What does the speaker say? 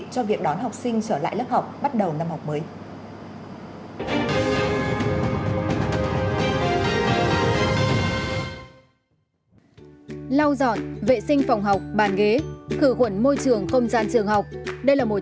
cho việc đón học sinh trở lại lớp học bắt đầu năm học mới